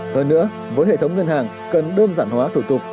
hơn nữa với hệ thống ngân hàng cần đơn giản hóa thủ tục